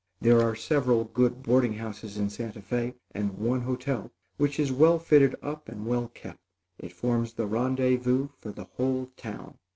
There are several good boarding houses in Santa Fé, and one hotel, which is well fitted up and well kept. It forms the rendezvous for the whole town.